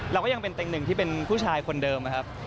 เราก็ยังเป็นเต็งหนึ่งที่เป็นผู้ชายคนเดิมนะครับ